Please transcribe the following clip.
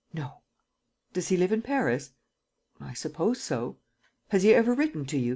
"No." "Does he live in Paris?" "I suppose so." "Has he ever written to you?